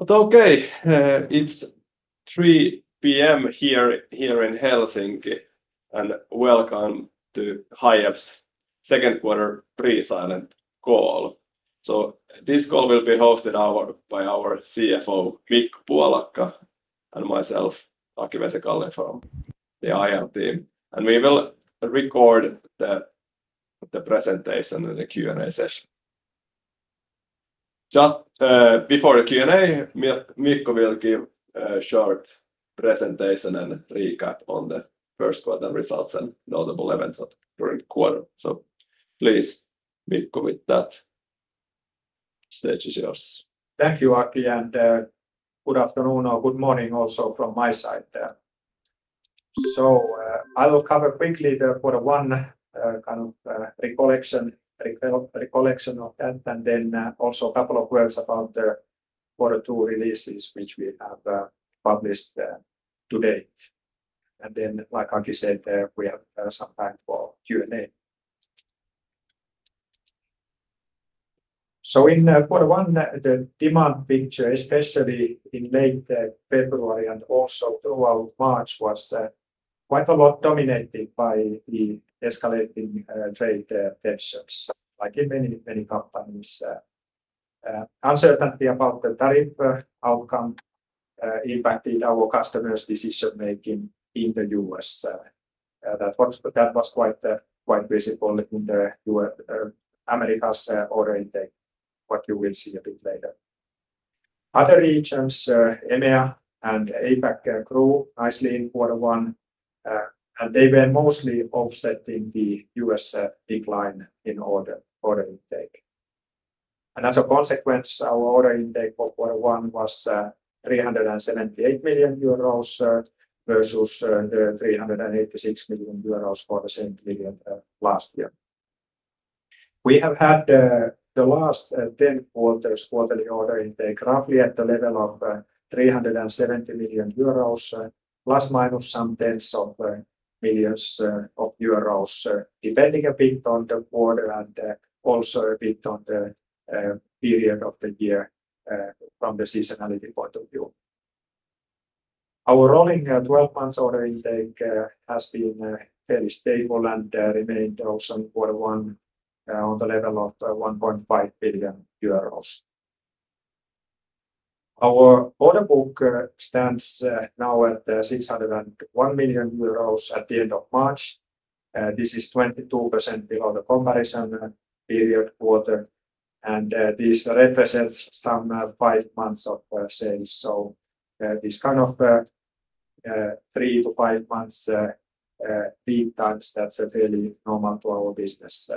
Okay, it's 3:00 P.M. here in Helsinki, and welcome to Hiab's Second Quarter Pre-silent Call. This call will be hosted by our CFO, Mikko Puolakka, and myself, Aki Vesikallio from the IR team. We will record the presentation and the Q&A session. Just before the Q&A, Mikko will give a short presentation and recap on the first quarter results and notable events during the quarter. Please, Mikko, with that, the stage is yours. Thank you, Aki, and good afternoon or good morning also from my side. I will cover quickly the quarter one kind of recollection of that, and then also a couple of words about the quarter two releases which we have published to date. Like Aki said, we have some time for Q&A. In quarter one, the demand picture, especially in late February and also throughout March, was quite a lot dominated by the escalating trade tensions, like in many, many companies. Uncertainty about the tariff outcome impacted our customers' decision-making in the U.S. That was quite visible in America's order intake, what you will see a bit later. Other regions, EMEA and APAC, grew nicely in quarter one, and they were mostly offsetting the U.S. decline in order intake. As a consequence, our order intake for quarter one was 378 million euros versus the 386 million euros for the same period last year. We have had the last 10 quarters' quarterly order intake roughly at the level of 370 million euros, plus minus some tens of millions of euros, depending a bit on the quarter and also a bit on the period of the year from the seasonality point of view. Our rolling 12-month order intake has been fairly stable and remained also in quarter one on the level of 1.5 billion euros. Our order book stands now at 601 million euros at the end of March. This is 22% below the comparison period quarter, and this represents some five months of sales. This kind of three months-five months lead times, that's fairly normal to our business.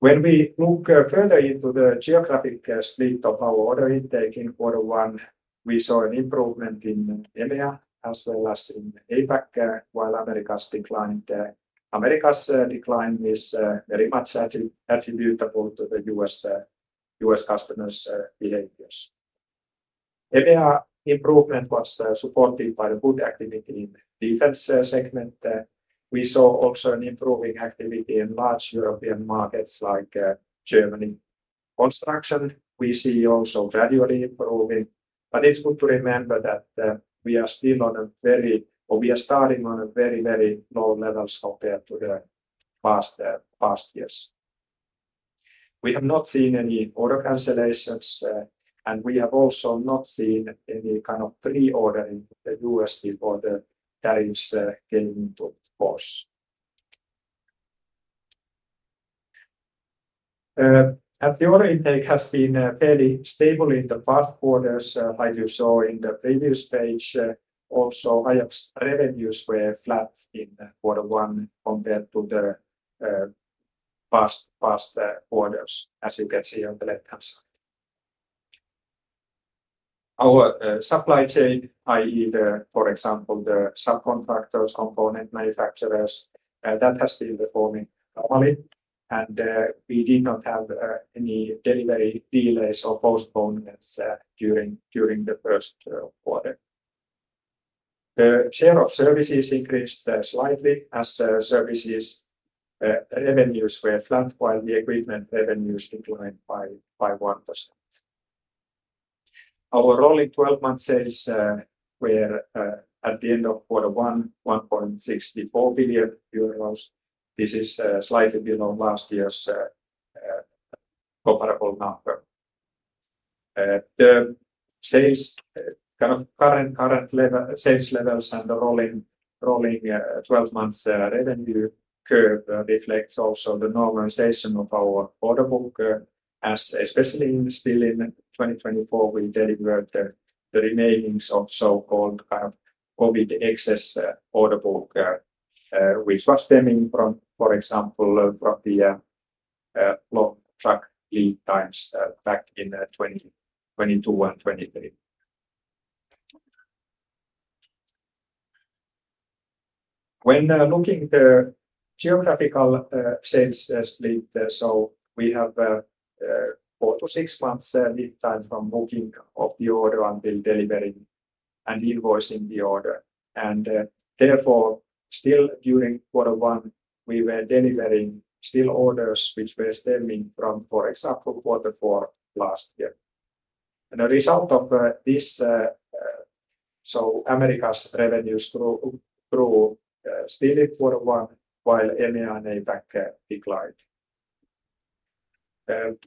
When we look further into the geographic split of our order intake in quarter one, we saw an improvement in EMEA as well as in APAC, while America's decline is very much attributable to the U.S. customers' behaviors. EMEA improvement was supported by the good activity in the defense segment. We saw also an improving activity in large European markets like Germany. Construction, we see also gradually improving, but it's good to remember that we are still on a very, or we are starting on a very, very low level compared to the past years. We have not seen any order cancellations, and we have also not seen any kind of pre-ordering in the U.S. before the tariffs came into force. As the order intake has been fairly stable in the past quarters, like you saw in the previous page, also Hiab's revenues were flat in quarter one compared to the past quarters, as you can see on the left-hand side. Our supply chain, i.e., for example, the subcontractors, component manufacturers, that has been performing normally, and we did not have any delivery delays or postponements during the first quarter. The share of services increased slightly as services revenues were flat, while the equipment revenues declined by 1%. Our rolling 12-month sales were at the end of quarter one, 1.64 billion euros. This is slightly below last year's comparable number. The current sales levels and the rolling 12-month revenue curve reflects also the normalization of our order book, as especially still in 2024, we delivered the remaining so-called kind of COVID excess order book, which was stemming from, for example, from the log truck lead times back in 2022 and 2023. When looking at the geographical sales split, so we have four- to six-month lead time from booking of the order until delivering and invoicing the order. Therefore, still during quarter one, we were delivering still orders which were stemming from, for example, quarter four last year. The result of this, so America's revenues grew still in quarter one, while EMEA and APAC declined.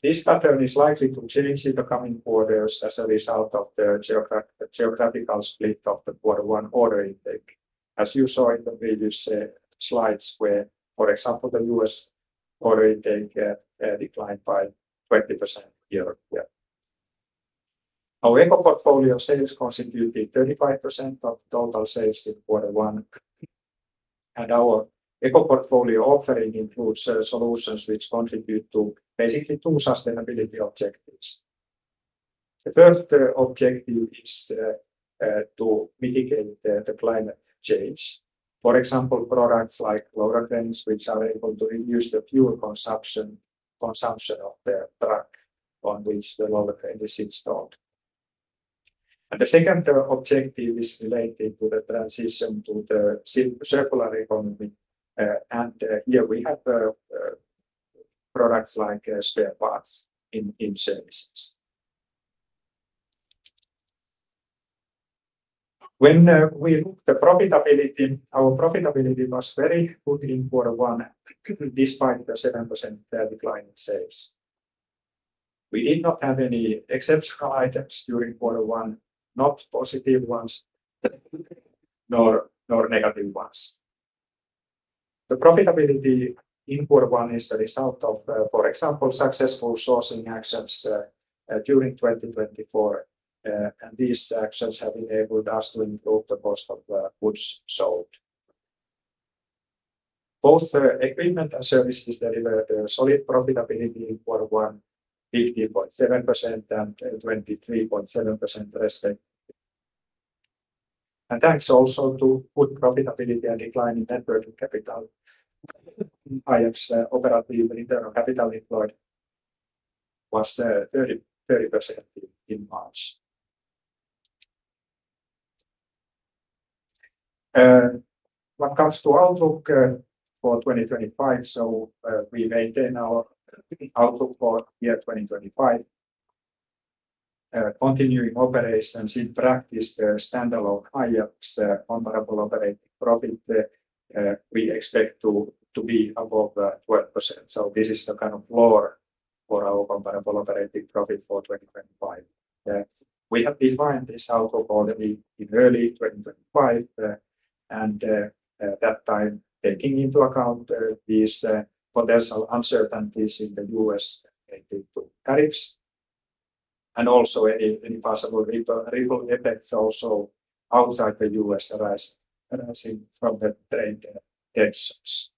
This pattern is likely to change in the coming quarters as a result of the geographical split of the quarter one order intake. As you saw in the previous slides, where, for example, the U.S. order intake declined by 20% year-over-year. Our Eco portfolio sales constituted 35% of total sales in quarter one, and our Eco portfolio offering includes solutions which contribute to basically two sustainability objectives. The first objective is to mitigate the climate change. For example, products like loader cranes, which are able to reduce the fuel consumption of the truck on which the loader crane is installed. The second objective is related to the transition to the circular economy, and here we have products like spare parts in services. When we look at the profitability, our profitability was very good in quarter one despite the 7% decline in sales. We did not have any exceptional items during quarter one, not positive ones nor negative ones. The profitability in quarter one is a result of, for example, successful sourcing actions during 2024, and these actions have enabled us to improve the cost of goods sold. Both equipment and services delivered solid profitability in quarter one, 15.7% and 23.7% respectively. Thanks also to good profitability and declining networking capital, Hiab's operative internal capital employed was 30% in March. What comes to outlook for 2025, we maintain our outlook for year 2025. Continuing operations in practice, the standalone Hiab's comparable operating profit, we expect to be above 12%. This is a kind of lower for our comparable operating profit for 2025. We have defined this outlook already in early 2025, and that time taking into account these potential uncertainties in the U.S. related to tariffs and also any possible ripple effects also outside the U.S. arising from the trade tensions.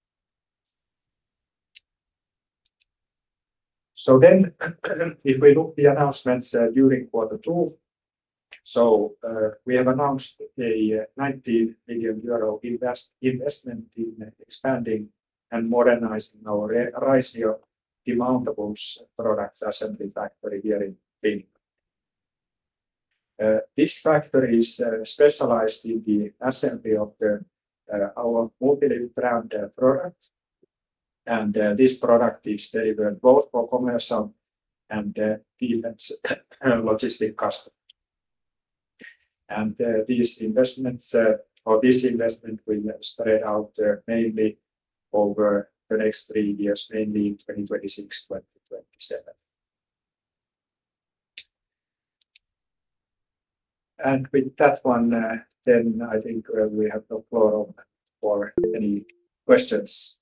If we look at the announcements during quarter two, we have announced a 19 million euro investment in expanding and modernizing our Raisio demountable products assembly factory here in Finland. This factory is specialized in the assembly of our multi-brand product, and this product is delivered both for commercial and defense logistic customers. This investment will spread out mainly over the next three years, mainly in 2026-2027. With that one, I think we have no floor for any questions.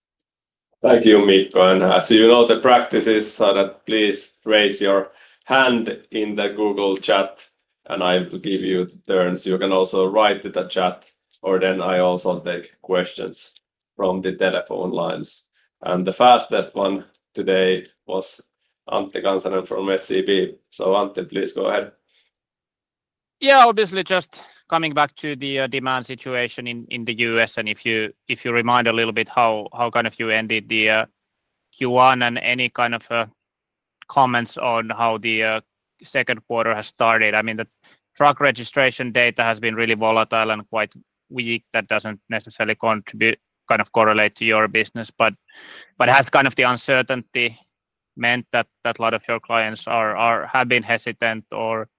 Thank you, Mikko. As you know, the practice is that please raise your hand in the Google chat, and I will give you the turns. You can also write to the chat, or I also take questions from the telephone lines. The fastest one today was Antti Kansanen from SEB. Antti, please go ahead. Yeah, obviously just coming back to the demand situation in the U.S. And if you remind a little bit how kind of you ended the Q1 and any kind of comments on how the second quarter has started. I mean, the truck registration data has been really volatile and quite weak. That does not necessarily kind of correlate to your business, but has kind of the uncertainty meant that a lot of your clients have been hesitant or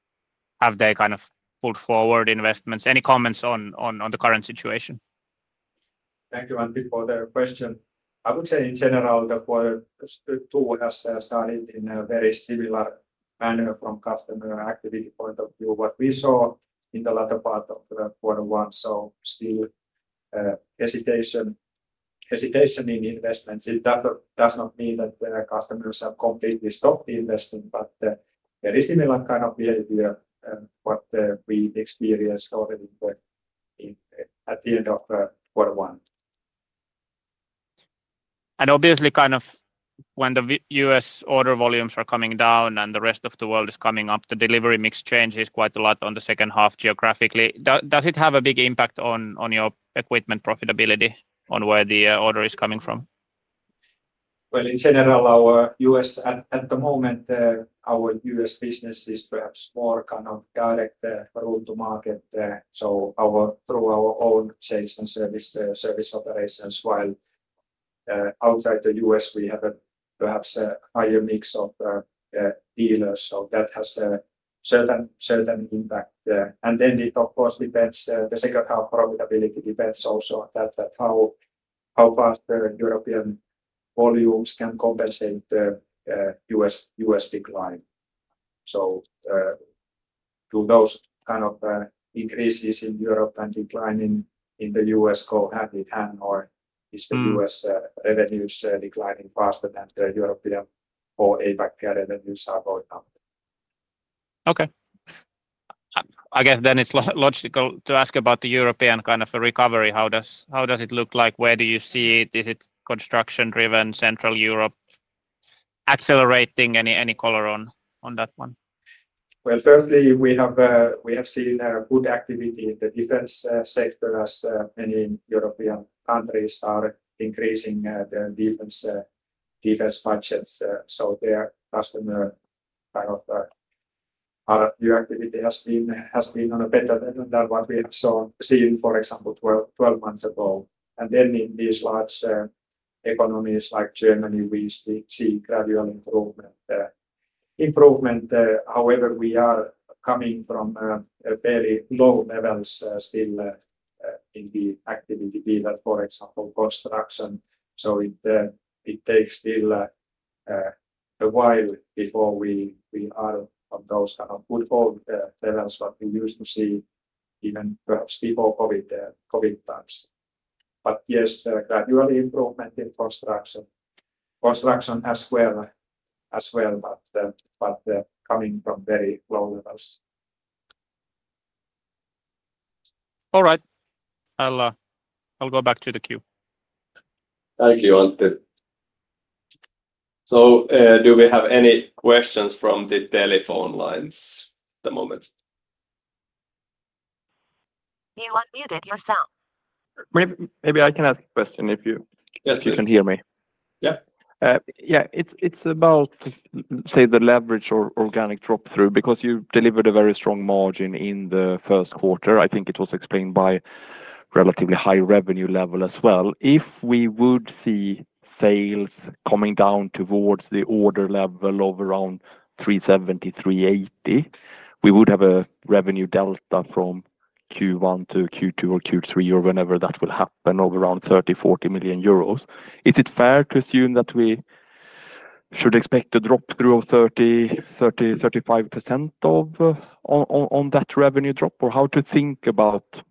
have they kind of pulled forward investments? Any comments on the current situation? Thank you, Antti, for the question. I would say in general that quarter two has started in a very similar manner from customer activity point of view. What we saw in the latter part of quarter one, so still hesitation in investments. It does not mean that customers have completely stopped investing, but very similar kind of behavior what we experienced already at the end of quarter one. Obviously, kind of when the U.S. order volumes are coming down and the rest of the world is coming up, the delivery mix changes quite a lot in the second half geographically. Does it have a big impact on your equipment profitability on where the order is coming from? In general, our U.S. at the moment, our U.S. business is perhaps more kind of direct road to market. So through our own sales and service operations, while outside the U.S., we have perhaps a higher mix of dealers. That has a certain impact. It, of course, depends. The second half profitability depends also on that, how fast the European volumes can compensate the U.S. decline. Do those kind of increases in Europe and declining in the U.S. go hand in hand, or is the U.S. revenues declining faster than the European or APAC revenues are going up? Okay. I guess then it's logical to ask about the European kind of recovery. How does it look like? Where do you see it? Is it construction-driven, Central Europe accelerating? Any color on that one? Firstly, we have seen good activity in the defense sector as many European countries are increasing their defense budgets. Their customer kind of new activity has been on a better level than what we have seen, for example, 12 months ago. In these large economies like Germany, we see gradual improvement. However, we are coming from very low levels still in the activity field, for example, construction. It takes still a while before we are on those kind of good old levels what we used to see even perhaps before COVID times. Yes, gradual improvement in construction as well, but coming from very low levels. All right. I'll go back to the queue. Thank you, Antti. Do we have any questions from the telephone lines at the moment? You unmuted yourself. Maybe I can ask a question if you can hear me. Yeah. Yeah, it's about, say, the leverage or organic drop-through because you delivered a very strong margin in the first quarter. I think it was explained by relatively high revenue level as well. If we would see sales coming down towards the order level of around 370 million-380 million, we would have a revenue delta from Q1-Q2 or Q3 or whenever that will happen of around 30 million-40 million euros. Is it fair to assume that we should expect a drop-through of 30%-35% on that revenue drop, or how to think about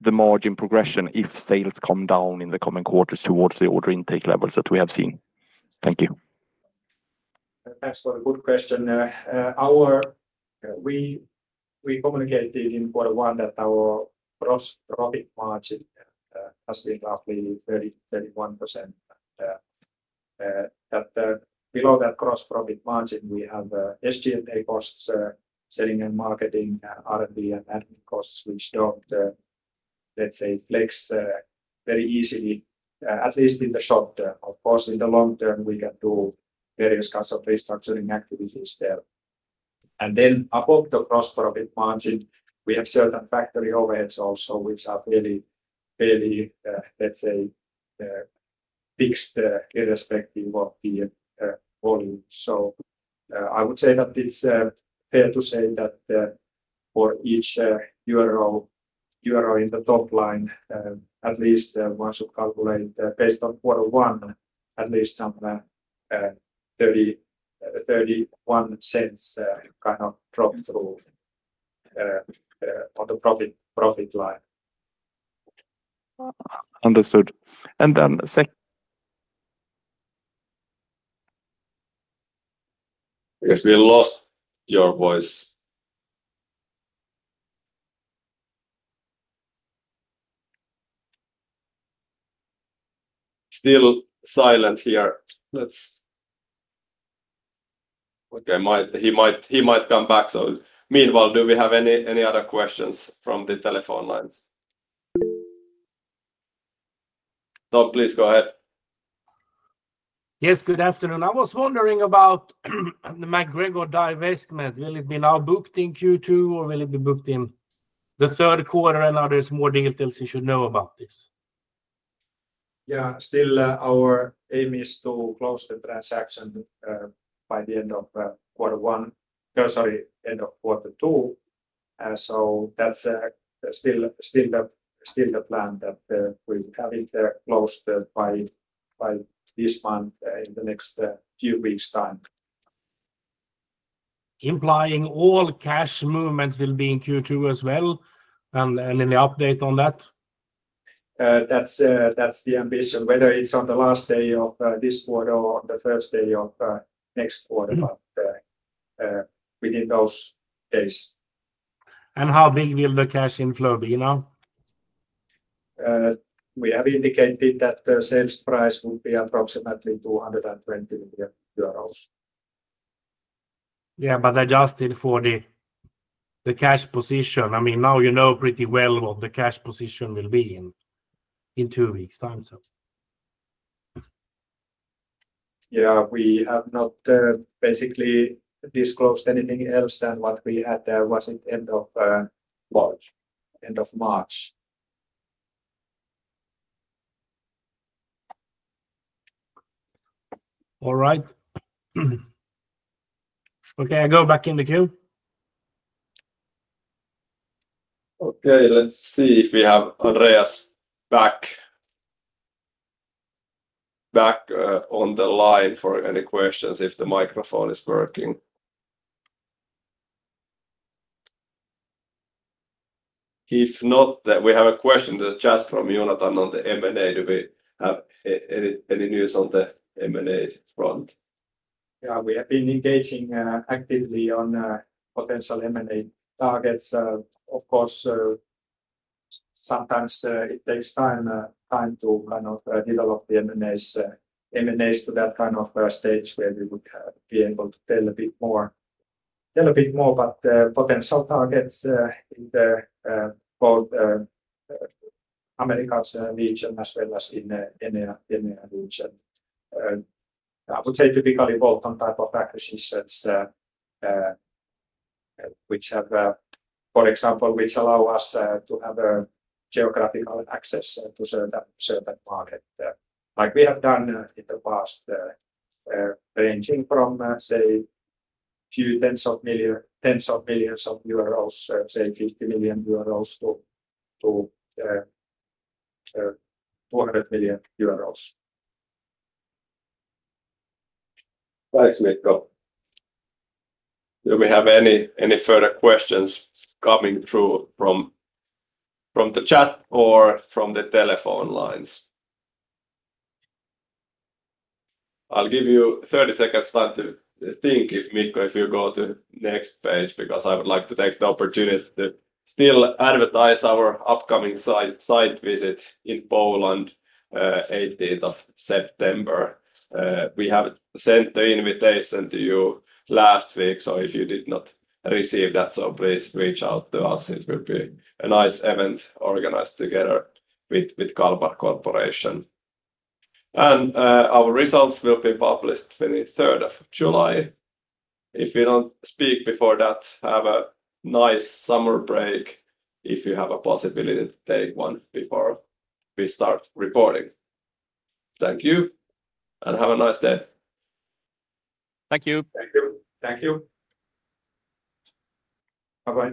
the margin progression if sales come down in the coming quarters towards the order intake levels that we have seen? Thank you. Thanks for the good question. We communicated in quarter one that our gross profit margin has been roughly 31%. That below that gross profit margin, we have SG&A costs, selling and marketing, R&D and admin costs, which do not, let's say, flex very easily, at least in the short term. Of course, in the long term, we can do various kinds of restructuring activities there. Above the gross profit margin, we have certain factory overheads also, which are fairly, let's say, fixed irrespective of the volume. I would say that it's fair to say that for each euro in the top line, at least one should calculate based on quarter one, at least some EUR 0.31 kind of drop-through on the profit line. Understood. And then. I guess we lost your voice. Still silent here. Okay, he might come back. Meanwhile, do we have any other questions from the telephone lines? Tom, please go ahead. Yes, good afternoon. I was wondering about the MacGregor divestment. Will it be now booked in Q2, or will it be booked in the third quarter? And are there more details you should know about this? Yeah, still our aim is to close the transaction by the end of quarter one, sorry, end of quarter two. That is still the plan that we have it closed by this month in the next few weeks' time. Implying all cash movements will be in Q2 as well. Any update on that? That's the ambition, whether it's on the last day of this quarter or the first day of next quarter, but within those days. How big will the cash inflow be now? We have indicated that the sales price would be approximately 220 million euros. Yeah, but adjusted for the cash position. I mean, now you know pretty well what the cash position will be in two weeks' time. Yeah, we have not basically disclosed anything else than what we had there was at the end of March. All right. Okay, I go back in the queue. Okay, let's see if we have Andreas back on the line for any questions if the microphone is working. If not, we have a question in the chat from Jonathan on the M&A. Do we have any news on the M&A front? Yeah, we have been engaging actively on potential M&A targets. Of course, sometimes it takes time to kind of develop the M&As to that kind of stage where we would be able to tell a bit more, but potential targets in both Americas region as well as in the EMEA region. I would say typically both type of acquisitions which have, for example, which allow us to have a geographical access to certain markets, like we have done in the past, ranging from, say, a few 10s of millions of Euros, say, EUR 50 million-EUR 200 million. Thanks, Mikko. Do we have any further questions coming through from the chat or from the telephone lines? I'll give you 30 seconds time to think, Mikko, if you go to the next page, because I would like to take the opportunity to still advertise our upcoming site visit in Poland on the 18th of September. We have sent the invitation to you last week, so if you did not receive that, please reach out to us. It will be a nice event organized together with Kalmar Corporation. Our results will be published on the 23rd of July. If we don't speak before that, have a nice summer break if you have a possibility to take one before we start recording. Thank you and have a nice day. Thank you. Thank you. Bye-bye.